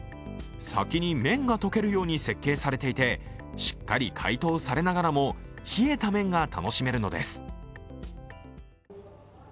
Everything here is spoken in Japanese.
先に麺が解けるように設計されていてしっかり解凍されながらも冷えた麺が楽しめるのです。